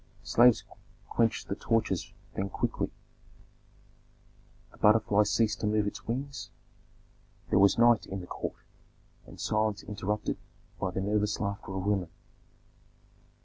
Slaves quenched the torches then quickly, the butterfly ceased to move its wings, there was night in the court, and silence interrupted by the nervous laughter of women.